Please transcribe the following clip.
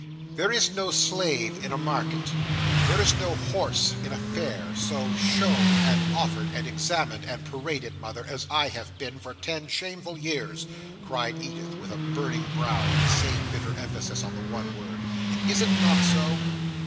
"There is no slave in a market: there is no horse in a fair: so shown and offered and examined and paraded, Mother, as I have been, for ten shameful years," cried Edith, with a burning brow, and the same bitter emphasis on the one word. "Is it not so?